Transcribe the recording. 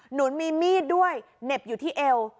นุนมีมีดด้วยเหน็บอยู่ที่เอว